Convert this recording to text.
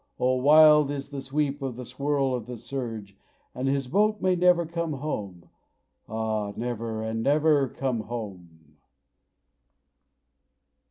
Oh, wild is the sweep and the swirl of the surge; And his boat may never come home! Ah, never and never come home!